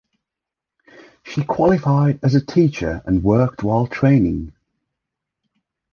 She qualified as a teacher and worked while training.